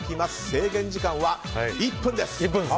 制限時間は１分です。